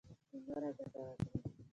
چـې نـوره ګـټـه وكړي.